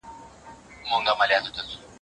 داسي څانګه به له کومه څوک پیدا کړي